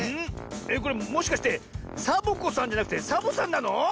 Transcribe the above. これもしかしてサボ子さんじゃなくてサボさんなの？